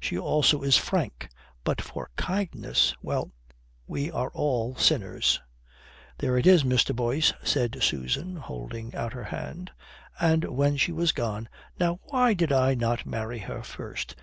She also is frank. But for kindness well, we are all sinners." "There it is, Mr. Boyce," said Susan, holding out her hand. And when she was gone. "Now, why did I not marry her first?"